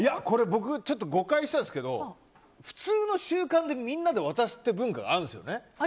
僕、誤解してたんですけど普通の習慣でみんなで渡すっていう文化があるんですよね。